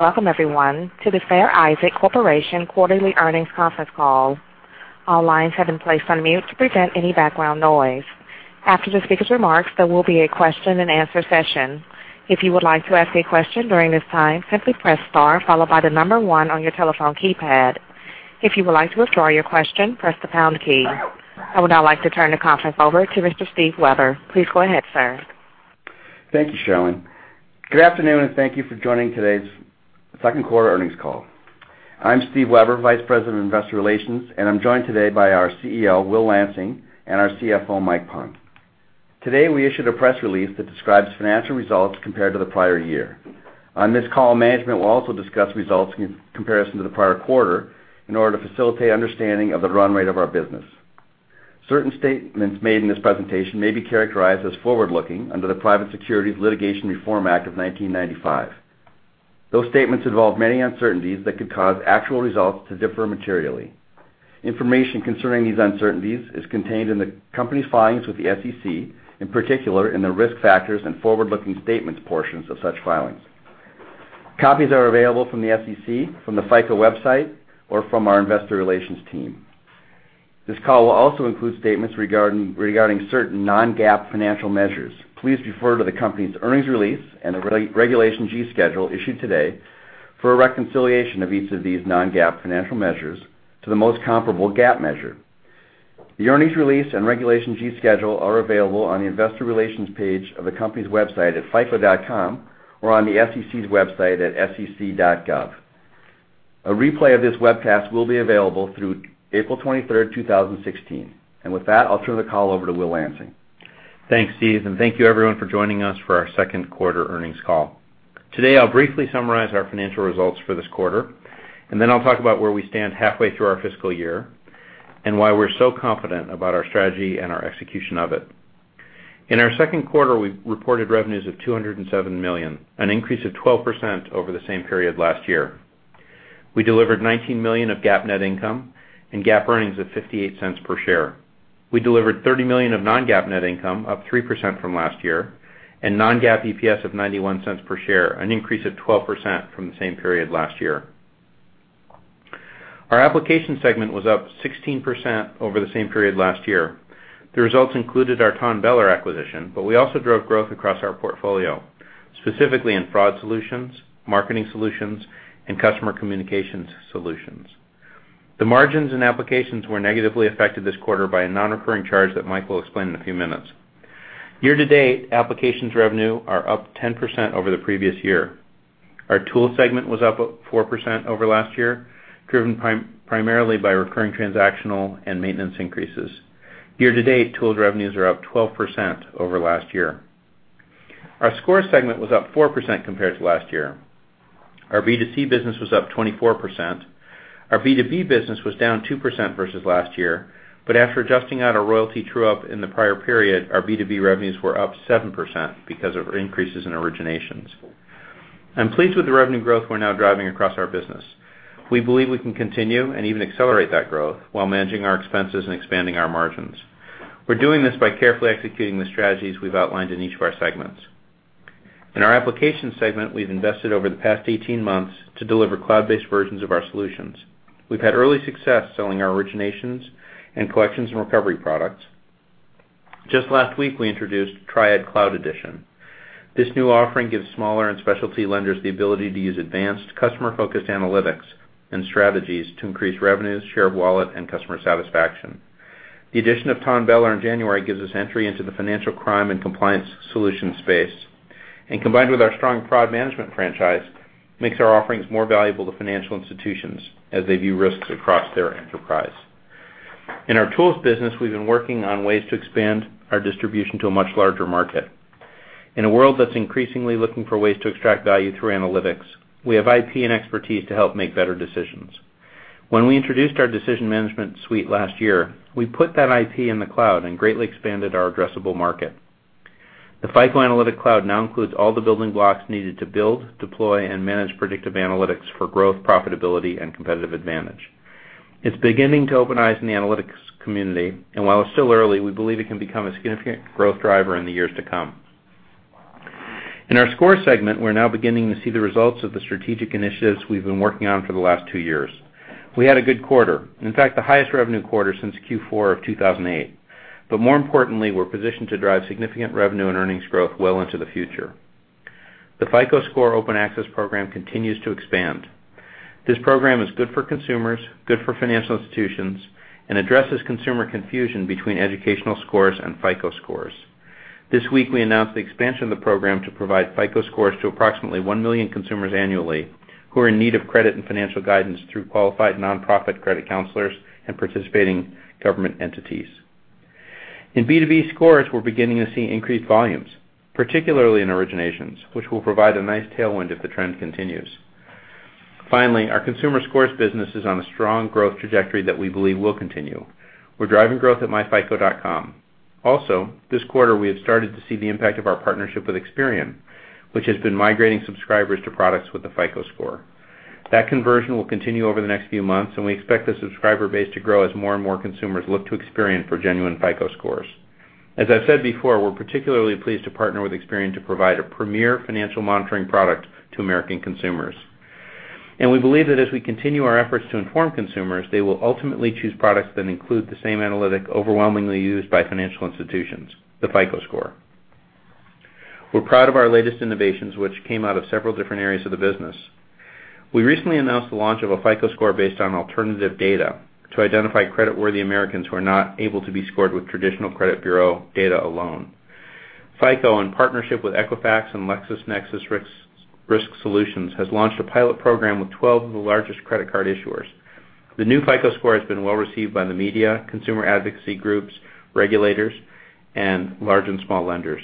Welcome everyone to the Fair Isaac Corporation quarterly earnings conference call. All lines have been placed on mute to prevent any background noise. After the speaker's remarks, there will be a question and answer session. If you would like to ask a question during this time, simply press star followed by 1 on your telephone keypad. If you would like to withdraw your question, press the pound key. I would now like to turn the conference over to Mr. Steve Weber. Please go ahead, sir. Thank you, Sharon. Good afternoon. Thank you for joining today's second quarter earnings call. I'm Steve Weber, Vice President of Investor Relations. I'm joined today by our CEO, Will Lansing, and our CFO, Mike Pung. Today, we issued a press release that describes financial results compared to the prior year. On this call, management will also discuss results in comparison to the prior quarter in order to facilitate understanding of the run rate of our business. Certain statements made in this presentation may be characterized as forward-looking under the Private Securities Litigation Reform Act of 1995. Those statements involve many uncertainties that could cause actual results to differ materially. Information concerning these uncertainties is contained in the company's filings with the SEC, in particular in the Risk Factors and Forward-Looking Statements portions of such filings. Copies are available from the SEC, from the FICO website, or from our investor relations team. This call will also include statements regarding certain non-GAAP financial measures. Please refer to the company's earnings release and the Regulation G schedule issued today for a reconciliation of each of these non-GAAP financial measures to the most comparable GAAP measure. The earnings release and Regulation G schedule are available on the investor relations page of the company's website at fico.com or on the SEC's website at sec.gov. A replay of this webcast will be available through April 23rd, 2016. With that, I'll turn the call over to Will Lansing. Thanks, Steve. Thank you everyone for joining us for our second quarter earnings call. Today, I'll briefly summarize our financial results for this quarter. Then I'll talk about where we stand halfway through our fiscal year, and why we're so confident about our strategy and our execution of it. In our second quarter, we reported revenues of $207 million, an increase of 12% over the same period last year. We delivered $19 million of GAAP net income and GAAP earnings of $0.58 per share. We delivered $30 million of non-GAAP net income, up 3% from last year, and non-GAAP EPS of $0.91 per share, an increase of 12% from the same period last year. Our application segment was up 16% over the same period last year. The results included our TONBELLER acquisition, but we also drove growth across our portfolio, specifically in fraud solutions, marketing solutions, and customer communications solutions. The margins and applications were negatively affected this quarter by a non-recurring charge that Mike Pung will explain in a few minutes. Year-to-date, applications revenue are up 10% over the previous year. Our tools segment was up 4% over last year, driven primarily by recurring transactional and maintenance increases. Year-to-date, tools revenues are up 12% over last year. Our score segment was up 4% compared to last year. Our B2C business was up 24%. Our B2B business was down 2% versus last year, but after adjusting out our royalty true-up in the prior period, our B2B revenues were up 7% because of increases in originations. I'm pleased with the revenue growth we're now driving across our business. We believe we can continue and even accelerate that growth while managing our expenses and expanding our margins. We're doing this by carefully executing the strategies we've outlined in each of our segments. In our application segment, we've invested over the past 18 months to deliver cloud-based versions of our solutions. We've had early success selling our originations and collections and recovery products. Just last week, we introduced FICO TRIAD Cloud Edition. This new offering gives smaller and specialty lenders the ability to use advanced customer-focused analytics and strategies to increase revenues, share of wallet, and customer satisfaction. The addition of TONBELLER in January gives us entry into the financial crime and compliance solution space, and combined with our strong fraud management franchise, makes our offerings more valuable to financial institutions as they view risks across their enterprise. In our tools business, we've been working on ways to expand our distribution to a much larger market. In a world that's increasingly looking for ways to extract value through analytics, we have IP and expertise to help make better decisions. When we introduced our FICO Decision Management Suite last year, we put that IP in the cloud and greatly expanded our addressable market. The FICO Analytic Cloud now includes all the building blocks needed to build, deploy, and manage predictive analytics for growth, profitability, and competitive advantage. It's beginning to open eyes in the analytics community, and while it's still early, we believe it can become a significant growth driver in the years to come. In our score segment, we're now beginning to see the results of the strategic initiatives we've been working on for the last two years. We had a good quarter, in fact, the highest revenue quarter since Q4 of 2008. More importantly, we're positioned to drive significant revenue and earnings growth well into the future. The FICO Score Open Access program continues to expand. This program is good for consumers, good for financial institutions, and addresses consumer confusion between educational scores and FICO Scores. This week, we announced the expansion of the program to provide FICO Scores to approximately 1 million consumers annually who are in need of credit and financial guidance through qualified nonprofit credit counselors and participating government entities. In B2B Scores, we're beginning to see increased volumes, particularly in originations, which will provide a nice tailwind if the trend continues. Finally, our consumer Scores business is on a strong growth trajectory that we believe will continue. We're driving growth at myfico.com. Also, this quarter, we have started to see the impact of our partnership with Experian, which has been migrating subscribers to products with the FICO Score. That conversion will continue over the next few months, and we expect the subscriber base to grow as more and more consumers look to Experian for genuine FICO Scores. As I've said before, we're particularly pleased to partner with Experian to provide a premier financial monitoring product to American consumers. We believe that as we continue our efforts to inform consumers, they will ultimately choose products that include the same analytic overwhelmingly used by financial institutions, the FICO Score. We're proud of our latest innovations, which came out of several different areas of the business. We recently announced the launch of a FICO Score based on alternative data to identify creditworthy Americans who are not able to be scored with traditional credit bureau data alone. FICO, in partnership with Equifax and LexisNexis Risk Solutions, has launched a pilot program with 12 of the largest credit card issuers. The new FICO Score has been well-received by the media, consumer advocacy groups, regulators, and large and small lenders.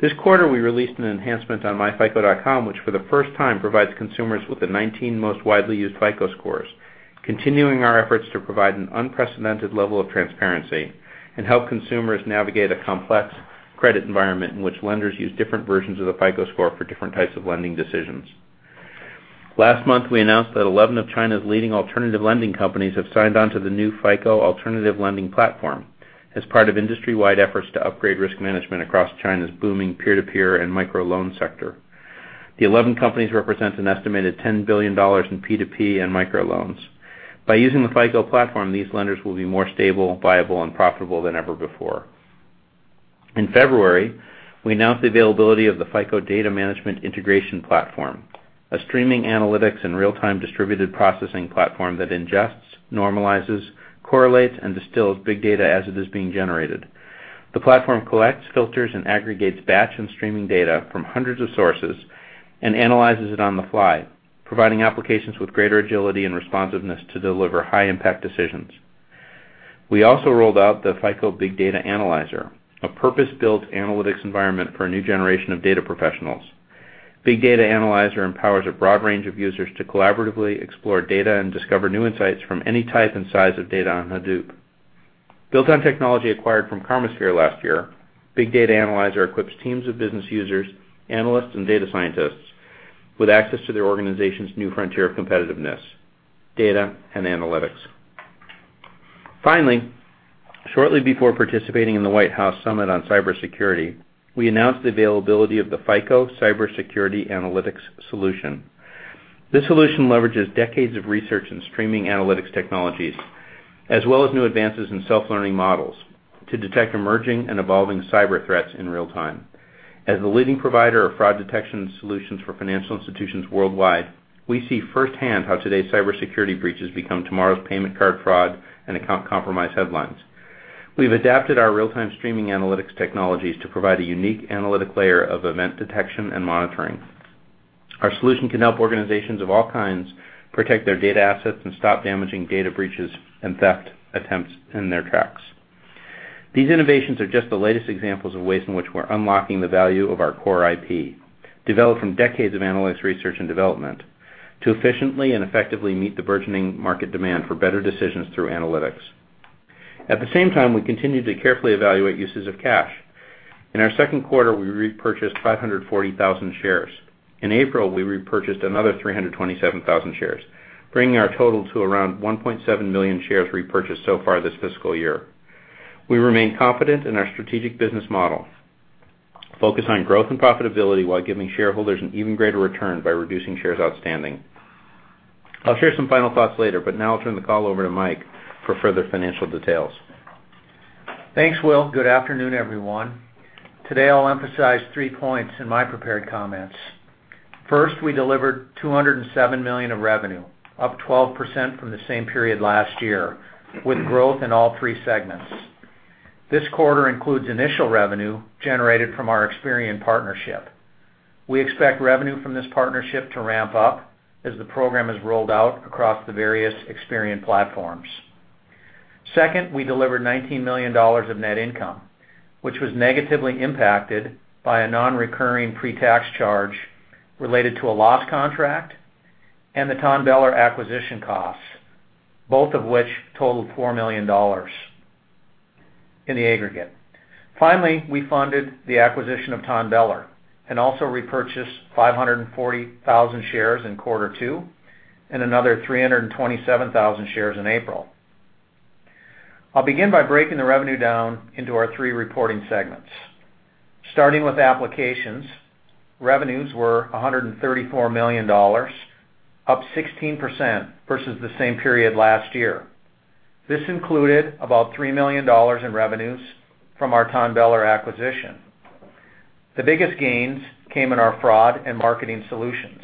This quarter, we released an enhancement on myfico.com, which for the first time provides consumers with the 19 most widely used FICO Scores, continuing our efforts to provide an unprecedented level of transparency and help consumers navigate a complex credit environment in which lenders use different versions of the FICO Score for different types of lending decisions. Last month, we announced that 11 of China's leading alternative lending companies have signed on to the new FICO alternative lending platform as part of industry-wide efforts to upgrade risk management across China's booming peer-to-peer and micro-loan sector. The 11 companies represent an estimated $10 billion in P2P and microloans. By using the FICO platform, these lenders will be more stable, viable, and profitable than ever before. In February, we announced the availability of the FICO Data Management Integration Platform, a streaming analytics and real-time distributed processing platform that ingests, normalizes, correlates, and distills big data as it is being generated. The platform collects, filters, and aggregates batch and streaming data from hundreds of sources and analyzes it on the fly, providing applications with greater agility and responsiveness to deliver high-impact decisions. We also rolled out the FICO Big Data Analyzer, a purpose-built analytics environment for a new generation of data professionals. Big Data Analyzer empowers a broad range of users to collaboratively explore data and discover new insights from any type and size of data on Hadoop. Built on technology acquired from Karmasphere last year, Big Data Analyzer equips teams of business users, analysts, and data scientists with access to their organization's new frontier of competitiveness, data, and analytics. Shortly before participating in the White House Summit on Cybersecurity, we announced the availability of the FICO Cybersecurity Analytics solution. This solution leverages decades of research in streaming analytics technologies, as well as new advances in self-learning models, to detect emerging and evolving cyber threats in real time. As the leading provider of fraud detection solutions for financial institutions worldwide, we see firsthand how today's cybersecurity breaches become tomorrow's payment card fraud and account compromise headlines. We've adapted our real-time streaming analytics technologies to provide a unique analytic layer of event detection and monitoring. Our solution can help organizations of all kinds protect their data assets and stop damaging data breaches and theft attempts in their tracks. These innovations are just the latest examples of ways in which we're unlocking the value of our core IP, developed from decades of analytics research and development, to efficiently and effectively meet the burgeoning market demand for better decisions through analytics. At the same time, we continue to carefully evaluate uses of cash. In our second quarter, we repurchased 540,000 shares. In April, we repurchased another 327,000 shares, bringing our total to around 1.7 million shares repurchased so far this fiscal year. We remain confident in our strategic business model, focused on growth and profitability while giving shareholders an even greater return by reducing shares outstanding. Now I'll turn the call over to Mike for further financial details. Thanks, Will. Good afternoon, everyone. Today, I'll emphasize three points in my prepared comments. First, we delivered $207 million of revenue, up 12% from the same period last year, with growth in all three segments. This quarter includes initial revenue generated from our Experian partnership. We expect revenue from this partnership to ramp up as the program is rolled out across the various Experian platforms. Second, we delivered $19 million of net income, which was negatively impacted by a non-recurring pre-tax charge related to a lost contract and the TONBELLER acquisition costs, both of which totaled $4 million in the aggregate. Finally, we funded the acquisition of TONBELLER and also repurchased 540,000 shares in quarter two and another 327,000 shares in April. I'll begin by breaking the revenue down into our three reporting segments. Starting with applications, revenues were $134 million, up 16% versus the same period last year. This included about $3 million in revenues from our TONBELLER acquisition. The biggest gains came in our fraud and marketing solutions.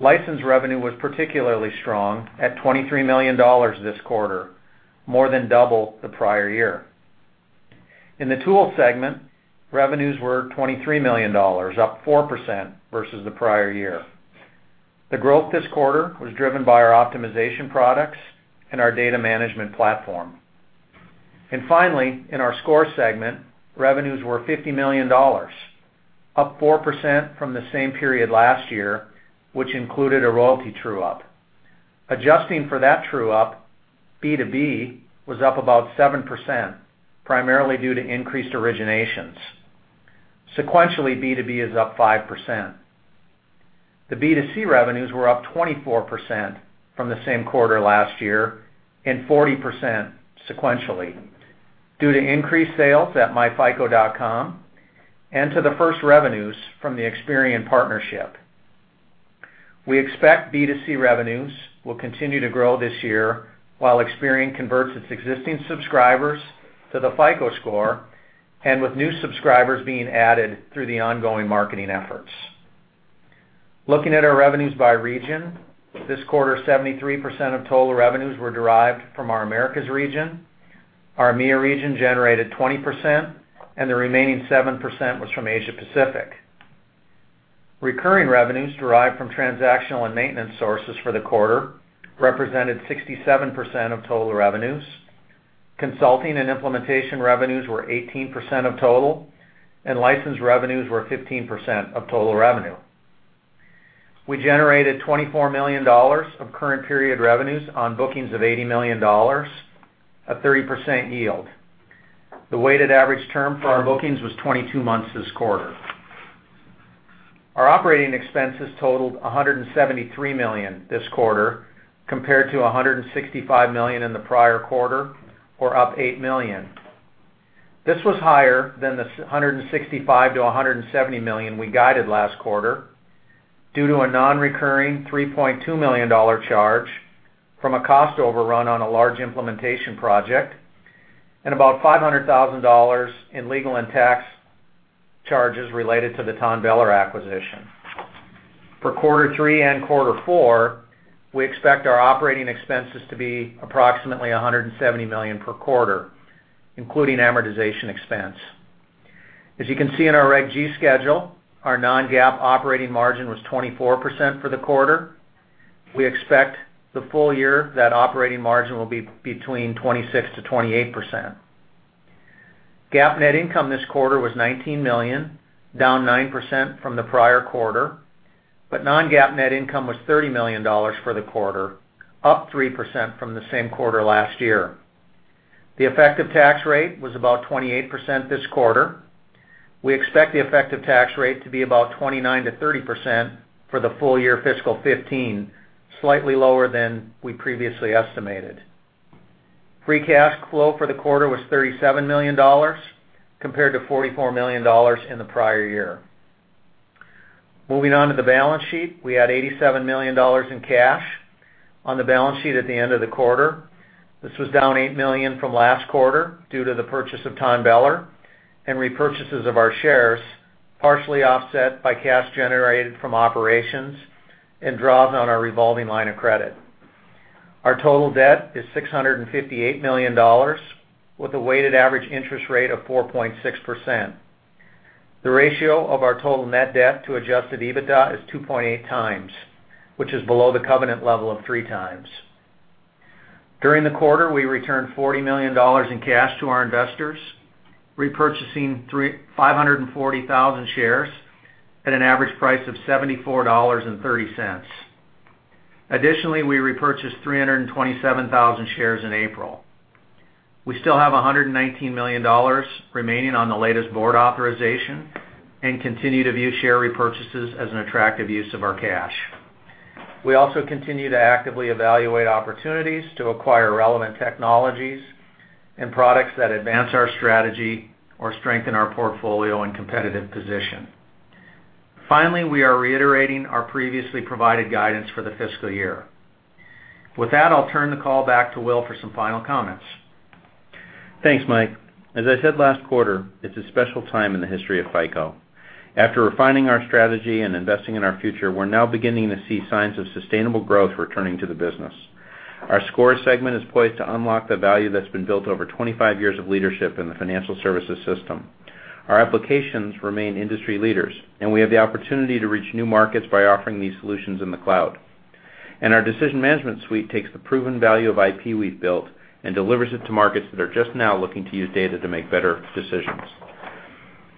License revenue was particularly strong at $23 million this quarter, more than double the prior year. In the tool segment, revenues were $23 million, up 4% versus the prior year. The growth this quarter was driven by our optimization products and our data management platform. Finally, in our score segment, revenues were $50 million, up 4% from the same period last year, which included a royalty true-up. Adjusting for that true up, B2B was up about 7%, primarily due to increased originations. Sequentially, B2B is up 5%. The B2C revenues were up 24% from the same quarter last year and 40% sequentially due to increased sales at myfico.com and to the first revenues from the Experian partnership. We expect B2C revenues will continue to grow this year while Experian converts its existing subscribers to the FICO Score, and with new subscribers being added through the ongoing marketing efforts. Looking at our revenues by region, this quarter, 73% of total revenues were derived from our Americas region, our EMEA region generated 20%, and the remaining 7% was from Asia Pacific. Recurring revenues derived from transactional and maintenance sources for the quarter represented 67% of total revenues. Consulting and implementation revenues were 18% of total, and license revenues were 15% of total revenue. We generated $24 million of current period revenues on bookings of $80 million, a 30% yield. The weighted average term for our bookings was 22 months this quarter. Our operating expenses totaled $173 million this quarter, compared to $165 million in the prior quarter, or up $8 million. This was higher than the $165 million-$170 million we guided last quarter due to a non-recurring $3.2 million charge from a cost overrun on a large implementation project and about $500,000 in legal and tax charges related to the TONBELLER acquisition. For quarter three and quarter four, we expect our operating expenses to be approximately $170 million per quarter, including amortization expense. As you can see in our Reg G schedule, our non-GAAP operating margin was 24% for the quarter. We expect the full year that operating margin will be between 26%-28%. GAAP net income this quarter was $19 million, down 9% from the prior quarter. Non-GAAP net income was $30 million for the quarter, up 3% from the same quarter last year. The effective tax rate was about 28% this quarter. We expect the effective tax rate to be about 29%-30% for the full year fiscal 2015, slightly lower than we previously estimated. Free cash flow for the quarter was $37 million, compared to $44 million in the prior year. Moving on to the balance sheet, we had $87 million in cash on the balance sheet at the end of the quarter. This was down $8 million from last quarter due to the purchase of TONBELLER and repurchases of our shares, partially offset by cash generated from operations and draws on our revolving line of credit. Our total debt is $658 million, with a weighted average interest rate of 4.6%. The ratio of our total net debt to adjusted EBITDA is 2.8 times, which is below the covenant level of three times. During the quarter, we returned $40 million in cash to our investors, repurchasing 540,000 shares at an average price of $74.30. Additionally, we repurchased 327,000 shares in April. We still have $119 million remaining on the latest board authorization and continue to view share repurchases as an attractive use of our cash. We also continue to actively evaluate opportunities to acquire relevant technologies and products that advance our strategy or strengthen our portfolio and competitive position. Finally, we are reiterating our previously provided guidance for the fiscal year. With that, I'll turn the call back to Will for some final comments. Thanks, Mike. As I said last quarter, it's a special time in the history of FICO. After refining our strategy and investing in our future, we're now beginning to see signs of sustainable growth returning to the business. Our Scores segment is poised to unlock the value that's been built over 25 years of leadership in the financial services system. Our applications remain industry leaders, and we have the opportunity to reach new markets by offering these solutions in the cloud. Our Decision Management Suite takes the proven value of IP we've built and delivers it to markets that are just now looking to use data to make better decisions.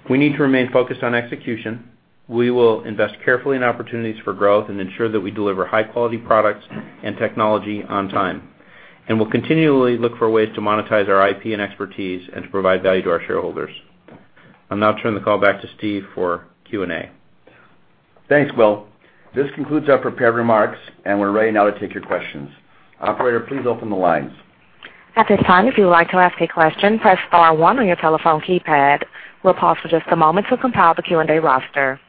We need to remain focused on execution. We will invest carefully in opportunities for growth and ensure that we deliver high-quality products and technology on time. We'll continually look for ways to monetize our IP and expertise and to provide value to our shareholders. I'll now turn the call back to Steve for Q&A. Thanks, Will. This concludes our prepared remarks, and we're ready now to take your questions. Operator, please open the lines. At this time, if you would like to ask a question, press star one on your telephone keypad. We'll pause for just a moment to compile the Q&A roster.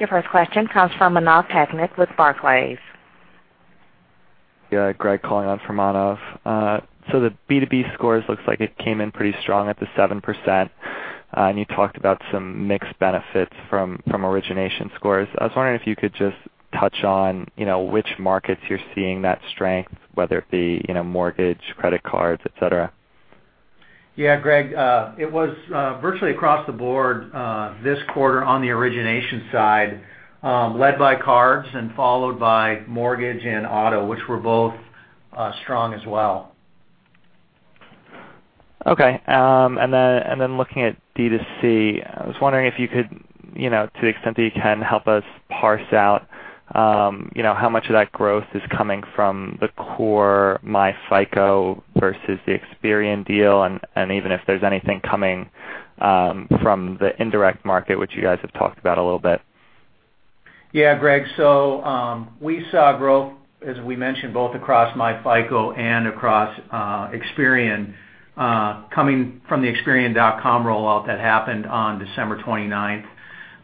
Your first question comes from Manav Patnaik with Barclays. Greg calling on for Manav. The B2B scores looks like it came in pretty strong at the 7%, and you talked about some mixed benefits from origination scores. I was wondering if you could just touch on which markets you're seeing that strength, whether it be mortgage, credit cards, et cetera. Yeah, Greg, it was virtually across the board this quarter on the origination side, led by cards and followed by mortgage and auto, which were both strong as well. Okay. Looking at D2C, I was wondering if you could, to the extent that you can, help us parse out how much of that growth is coming from the core myFICO versus the Experian deal, and even if there's anything coming from the indirect market, which you guys have talked about a little bit. Yeah, Greg, we saw growth, as we mentioned, both across myFICO and across Experian, coming from the experian.com rollout that happened on December 29th.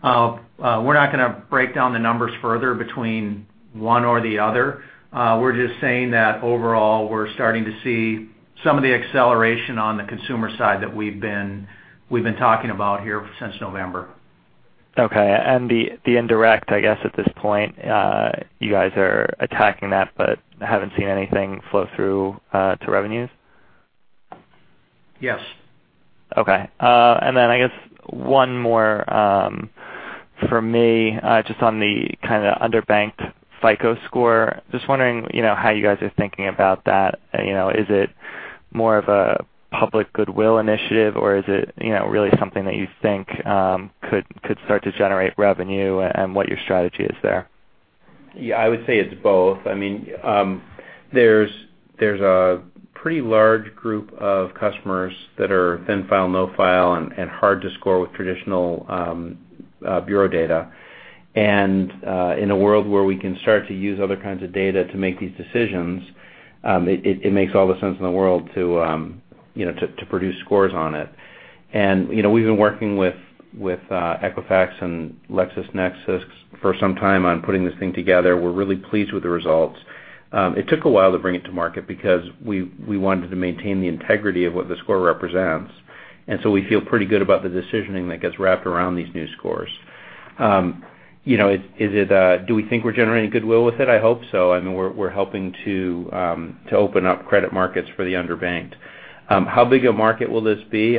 We're not going to break down the numbers further between one or the other. We're just saying that overall, we're starting to see some of the acceleration on the consumer side that we've been talking about here since November. Okay. The indirect, I guess, at this point, you guys are attacking that but haven't seen anything flow through to revenues? Yes. Okay. I guess one more from me, just on the kind of underbanked FICO Score. Just wondering how you guys are thinking about that. Is it more of a public goodwill initiative, or is it really something that you think could start to generate revenue, and what your strategy is there? Yeah, I would say it's both. There's a pretty large group of customers that are thin-file, no file and hard to score with traditional bureau data. In a world where we can start to use other kinds of data to make these decisions, it makes all the sense in the world to produce scores on it. We've been working with Equifax and LexisNexis for some time on putting this thing together. We're really pleased with the results. It took a while to bring it to market because we wanted to maintain the integrity of what the score represents, we feel pretty good about the decisioning that gets wrapped around these new scores. Do we think we're generating goodwill with it? I hope so. We're helping to open up credit markets for the underbanked. How big a market will this be?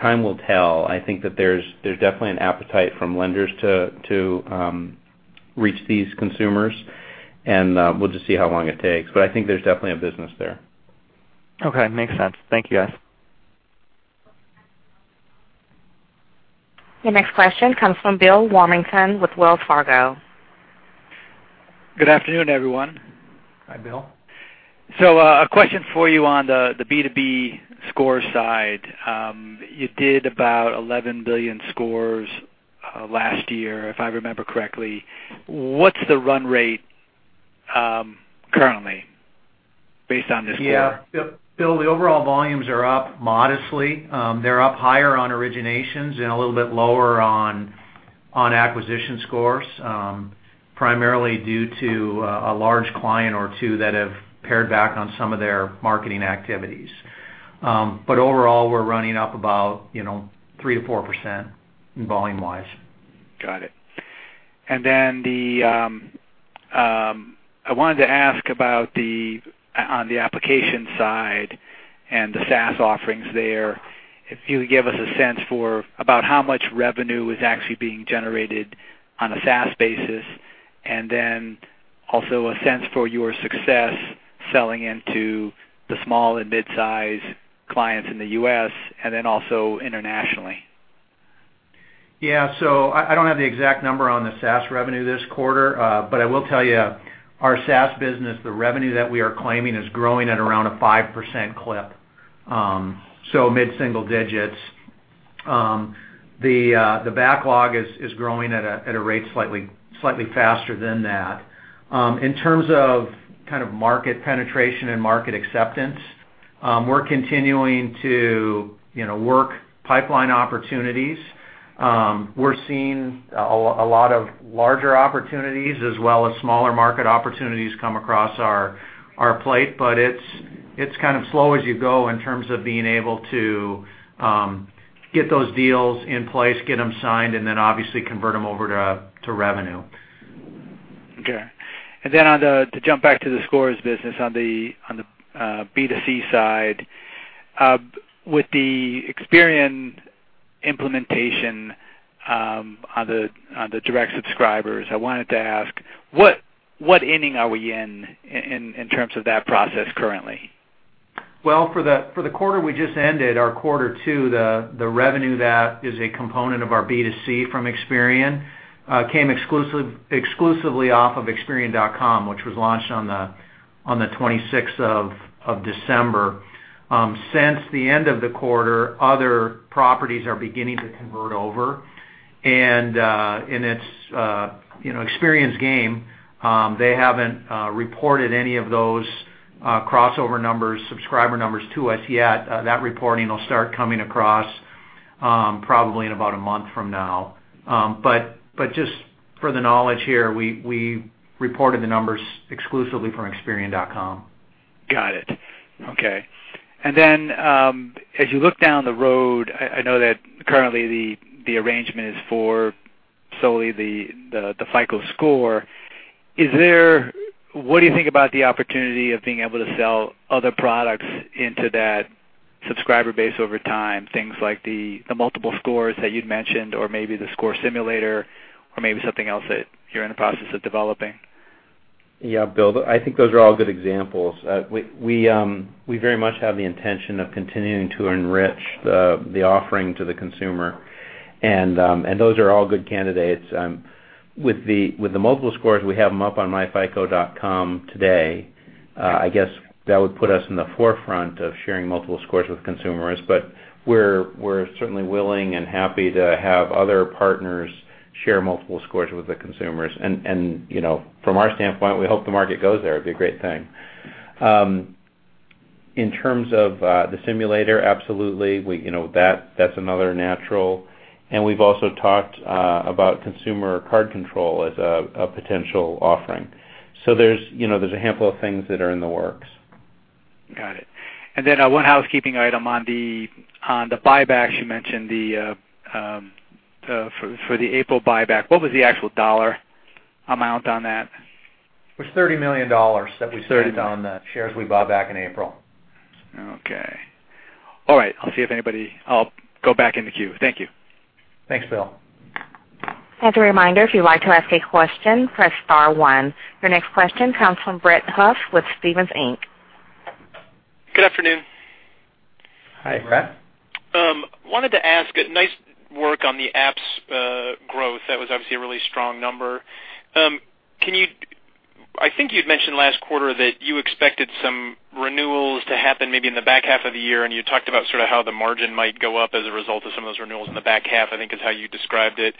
Time will tell. I think that there's definitely an appetite from lenders to reach these consumers, and we'll just see how long it takes. I think there's definitely a business there. Okay. Makes sense. Thank you, guys. Your next question comes from Bill Warmington with Wells Fargo. Good afternoon, everyone. Hi, Bill. A question for you on the B2B score side. You did about 11 billion scores last year, if I remember correctly. What's the run rate currently based on this quarter? Yeah. Bill, the overall volumes are up modestly. They're up higher on originations and a little bit lower on acquisition scores, primarily due to a large client or two that have pared back on some of their marketing activities. Overall, we're running up about 3%-4% volume wise. Got it. Then I wanted to ask about on the application side and the SaaS offerings there, if you could give us a sense for about how much revenue is actually being generated on a SaaS basis, and then also a sense for your success selling into the small and mid-size clients in the U.S., and then also internationally. Yeah. I don't have the exact number on the SaaS revenue this quarter. I will tell you, our SaaS business, the revenue that we are claiming is growing at around a 5% clip. Mid-single digits. The backlog is growing at a rate slightly faster than that. In terms of kind of market penetration and market acceptance, we're continuing to work pipeline opportunities. We're seeing a lot of larger opportunities as well as smaller market opportunities come across our plate, but it's kind of slow as you go in terms of being able to get those deals in place, get them signed, and then obviously convert them over to revenue. Then to jump back to the scores business on the B2C side, with the Experian implementation on the direct subscribers, I wanted to ask, what inning are we in terms of that process currently? Well, for the quarter we just ended, our quarter two, the revenue that is a component of our B2C from Experian came exclusively off of experian.com, which was launched on the 26th of December. Since the end of the quarter, other properties are beginning to convert over, and in its Experian's game, they haven't reported any of those crossover numbers, subscriber numbers to us yet. That reporting will start coming across probably in about a month from now. Just for the knowledge here, we reported the numbers exclusively from experian.com. Got it. Okay. Then, as you look down the road, I know that currently the arrangement is for solely the FICO Score. What do you think about the opportunity of being able to sell other products into that subscriber base over time, things like the multiple scores that you'd mentioned or maybe the score simulator or maybe something else that you're in the process of developing? Yeah, Bill, I think those are all good examples. We very much have the intention of continuing to enrich the offering to the consumer. Those are all good candidates. With the multiple scores, we have them up on myfico.com today. I guess that would put us in the forefront of sharing multiple scores with consumers. We're certainly willing and happy to have other partners share multiple scores with the consumers. From our standpoint, we hope the market goes there. It'd be a great thing. In terms of the simulator, absolutely, that's another natural. We've also talked about consumer card control as a potential offering. There's a handful of things that are in the works. Got it. Then one housekeeping item on the buybacks. You mentioned for the April buyback, what was the actual dollar amount on that? It was $30 million that we spent on the shares we bought back in April. Okay. All right. I'll see if anybody. I'll go back in the queue. Thank you. Thanks, Bill. As a reminder, if you'd like to ask a question, press star one. Your next question comes from Brett Huff with Stephens Inc. Good afternoon. Hi, Brett. Wanted to ask, nice work on the apps growth. That was obviously a really strong number. I think you'd mentioned last quarter that you expected some renewals to happen maybe in the back half of the year, and you talked about how the margin might go up as a result of some of those renewals in the back half, I think is how you described it.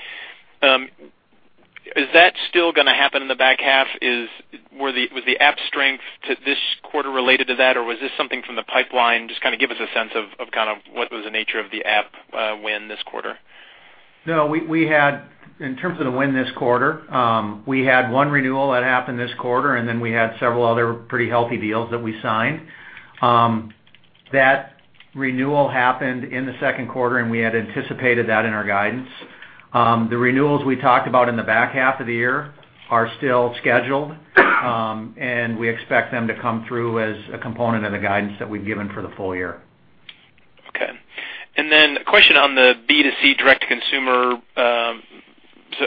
Is that still going to happen in the back half? Was the app strength to this quarter related to that, or was this something from the pipeline? Just give us a sense of kind of what was the nature of the app win this quarter. No. In terms of the win this quarter, we had one renewal that happened this quarter, and then we had several other pretty healthy deals that we signed. That renewal happened in the second quarter, and we had anticipated that in our guidance. The renewals we talked about in the back half of the year are still scheduled, and we expect them to come through as a component of the guidance that we've given for the full year. Okay. A question on the B2C direct-to-consumer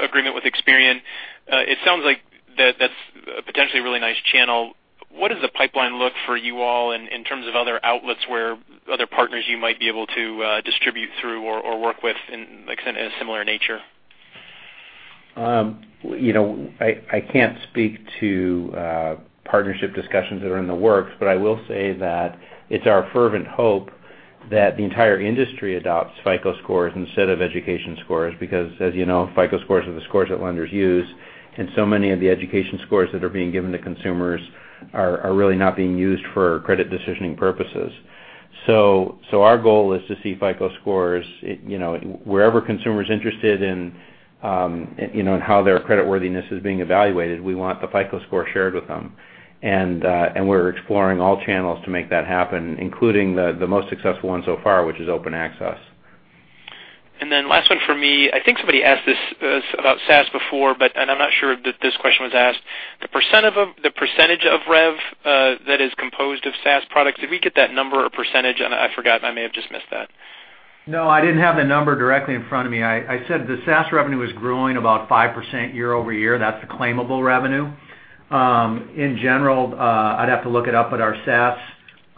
agreement with Experian. It sounds like that's a potentially really nice channel. What does the pipeline look for you all in terms of other outlets where other partners you might be able to distribute through or work with in a similar nature? I can't speak to partnership discussions that are in the works, but I will say that it's our fervent hope that the entire industry adopts FICO Scores instead of education scores because, as you know, FICO Scores are the scores that lenders use, and so many of the education scores that are being given to consumers are really not being used for credit decisioning purposes. Our goal is to see FICO Scores, wherever consumers interested in how their creditworthiness is being evaluated, we want the FICO Score shared with them. We're exploring all channels to make that happen, including the most successful one so far, which is Open Access. Last one from me. I think somebody asked this about SaaS before, and I'm not sure if this question was asked. The percentage of rev that is composed of SaaS products, did we get that number or percentage? I forgot, I may have just missed that. No, I didn't have the number directly in front of me. I said the SaaS revenue is growing about 5% year-over-year. That's the claimable revenue. In general, I'd have to look it up, but our SaaS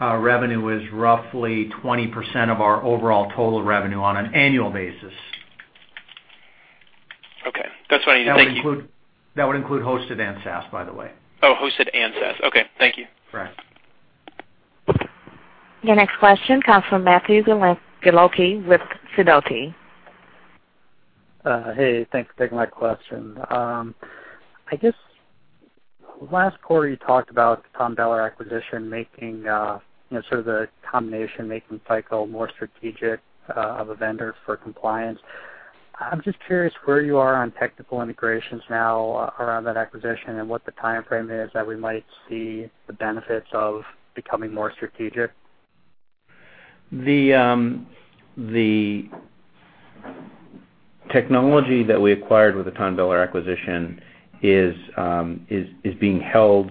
revenue is roughly 20% of our overall total revenue on an annual basis. Okay. That's what I need. Thank you. That would include hosted and SaaS, by the way. Oh, hosted and SaaS. Okay. Thank you. Right. Your next question comes from Matthew Kelly with Sidoti. Hey, thanks for taking my question. I guess last quarter you talked about the TONBELLER acquisition, the combination making FICO more strategic of a vendor for compliance. I am just curious where you are on technical integrations now around that acquisition and what the timeframe is that we might see the benefits of becoming more strategic. The technology that we acquired with the TONBELLER acquisition is being held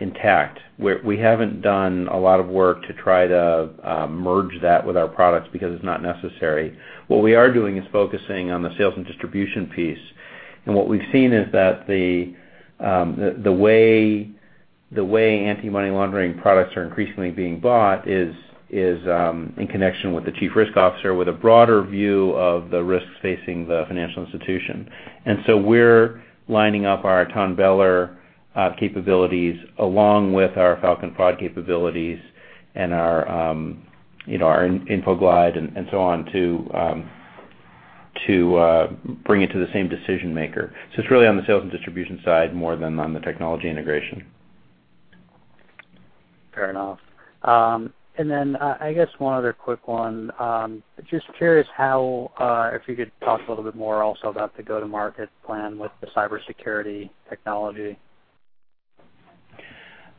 intact, where we haven't done a lot of work to try to merge that with our products because it's not necessary. What we are doing is focusing on the sales and distribution piece. What we've seen is that the way anti-money laundering products are increasingly being bought is in connection with the chief risk officer with a broader view of the risks facing the financial institution. We're lining up our TONBELLER capabilities along with our Falcon Fraud capabilities and our InfoGlide and so on to bring it to the same decision-maker. It's really on the sales and distribution side more than on the technology integration. Fair enough. I guess one other quick one. Just curious if you could talk a little bit more also about the go-to-market plan with the cybersecurity technology.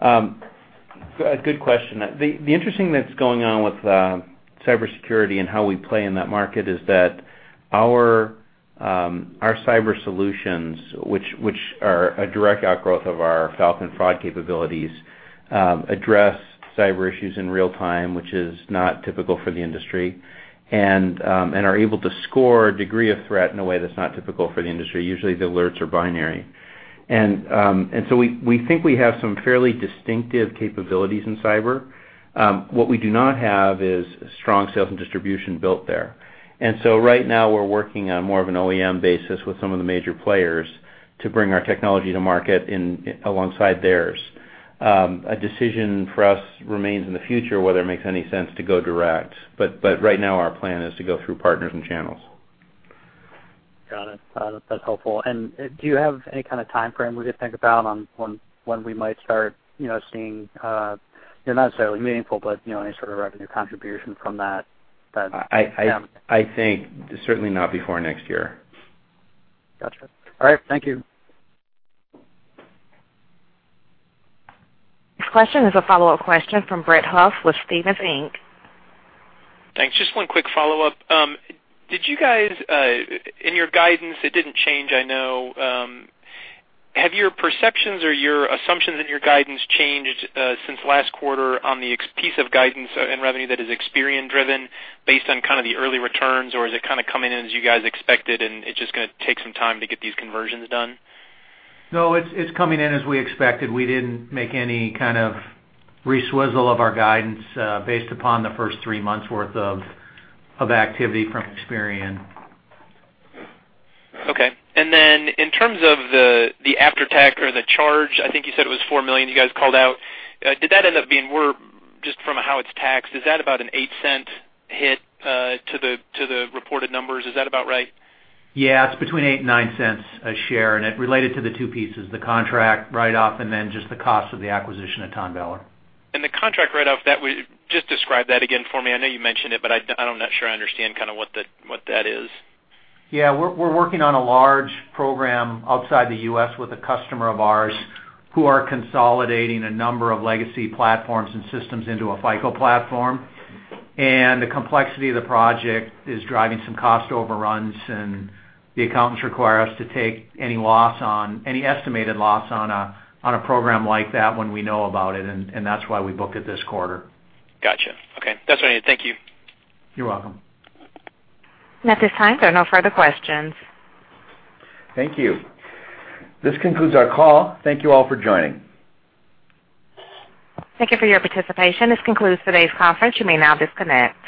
Good question. The interesting that's going on with cybersecurity and how we play in that market is that our Falcon Fraud capabilities, address cyber issues in real time, which is not typical for the industry, and are able to score degree of threat in a way that's not typical for the industry. Usually, the alerts are binary. We think we have some fairly distinctive capabilities in cyber. What we do not have is strong sales and distribution built there. Right now, we're working on more of an OEM basis with some of the major players to bring our technology to market alongside theirs. A decision for us remains in the future whether it makes any sense to go direct. Right now, our plan is to go through partners and channels. Got it. That's helpful. Do you have any kind of timeframe we could think about on when we might start seeing, not necessarily meaningful, but any sort of revenue contribution from that? I think certainly not before next year. Got you. All right. Thank you. This question is a follow-up question from Brett Huff with Stephens Inc. Thanks. Just one quick follow-up. Did you guys, in your guidance, it didn't change, I know. Have your perceptions or your assumptions in your guidance changed since last quarter on the piece of guidance and revenue that is Experian driven based on kind of the early returns, or is it kind of coming in as you guys expected, and it's just going to take some time to get these conversions done? No, it's coming in as we expected. We didn't make any kind of reswizzle of our guidance based upon the first three months worth of activity from Experian. Okay. In terms of the after-tax or the charge, I think you said it was $4 million you guys called out. Did that end up being more just from how it's taxed? Is that about a $0.08 hit to the reported numbers? Is that about right? Yeah, it's between $0.08-$0.09 a share. It related to the two pieces, the contract write-off, and then just the cost of the acquisition of TONBELLER. The contract write-off, just describe that again for me. I know you mentioned it, but I'm not sure I understand what that is. Yeah. We're working on a large program outside the U.S. with a customer of ours who are consolidating a number of legacy platforms and systems into a FICO platform. The complexity of the project is driving some cost overruns, and the accountants require us to take any estimated loss on a program like that when we know about it, and that's why we booked it this quarter. Got you. Okay. That's what I needed. Thank you. You're welcome. At this time, there are no further questions. Thank you. This concludes our call. Thank you all for joining. Thank you for your participation. This concludes today's conference. You may now disconnect.